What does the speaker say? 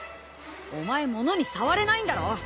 お前物に触れないんだろ。